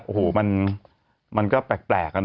โอ้โหมันก็แปลกนะ